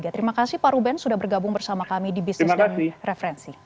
terima kasih pak ruben sudah bergabung bersama kami di bisnis dan referensi